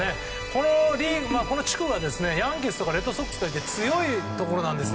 このリーグ、この地区はヤンキースとかレッドソックスとかいて強いところなんです。